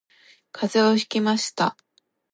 風邪をひきました